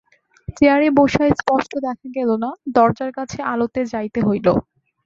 চেয়ারে বসিয়া স্পষ্ট দেখা গেল না, দরজার কাছে আলোতে যাইতে হইল।